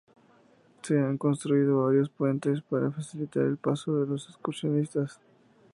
Se han construido varios puentes para facilitar el paso de los excursionistas.